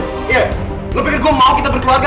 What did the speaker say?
kamu pikir gue mau kita berkeluarga